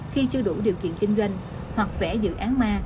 khi chưa đủ điều kiện kinh doanh hoặc vẽ dự án ma